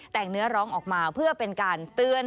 แต่งเนื้อร้องออกมาเพื่อเป็นการเตือน